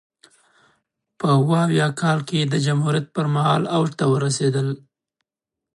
په ویا اویا کال کې د جمهوریت پرمهال اوج ته ورسېدل.